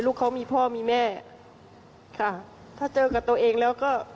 ลูกเขามีพ่อมีแม่ค่ะถ้าเจอกับตัวเองแล้วก็